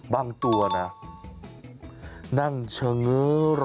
บ้างตัวนางเช่ารอ